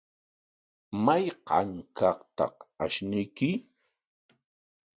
¿Mayqa kaqtaq ashnuyki?